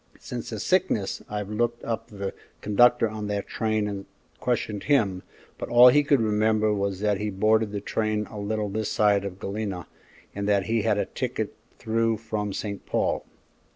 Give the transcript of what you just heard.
Since his sickness I've looked up the conductor on that train and questioned him, but all he could remember was that he boarded the train a little this side of Galena and that he had a ticket through from St. Paul."